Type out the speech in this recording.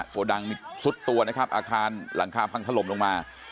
โกดังนี่ซุดตัวนะครับอาคารหลังคาพังถล่มลงมา